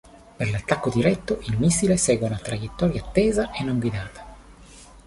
Per l'attacco diretto il missile segue una traiettoria tesa e non guidata.